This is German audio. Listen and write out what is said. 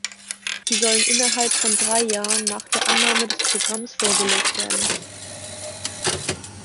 Sie sollen innerhalb von drei Jahren nach der Annahme des Programms vorgelegt werden.